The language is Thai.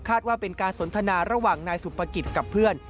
ว่าเป็นการสนทนาระหว่างนายสุภกิจกับเพื่อน